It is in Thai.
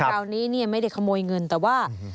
คราวนี้เนี่ยไม่ได้ขโมยเงินแต่ว่า